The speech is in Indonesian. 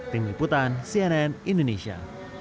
tim liputan cnn indonesia